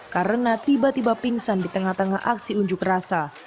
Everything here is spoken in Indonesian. karena tiba tiba pingsan di tengah tengah aksi unjuk rasa